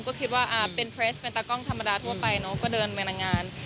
ก็คิดว่าเป็นเพรสเป็นตากล้องธรรมดาทั่วไปเนอะก็เดินไปในงาน